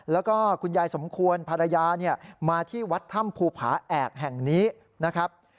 แล้วก็คุณยายสมควรภรรยามาที่วัดถ้ำภูผาแอกแห่งนี้นะครับ